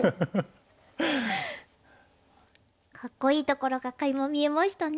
かっこいいところがかいま見えましたね。